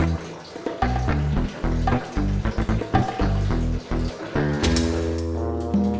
bapak apa yang kamu lakukan